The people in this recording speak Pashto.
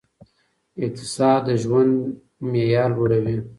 اقتصاد د ژوند معیار لوړوي.